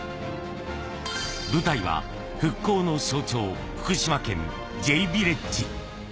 舞台は復興の象徴、福島県Ｊヴィレッジ。